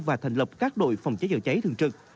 và thành lập các đội phòng cháy chữa cháy thường trực